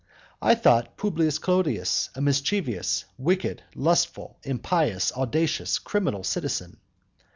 I thought Publius Clodius a mischievous, wicked, lustful, impious, audacious, criminal citizen.